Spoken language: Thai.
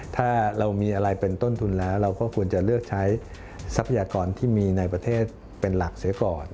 ถ้าเรามีอะไรเป็นต้นทุนแล้วเราก็ควรจะเลือกใช้ทรัพยากรที่มีในประเทศเป็นหลักเสียก่อน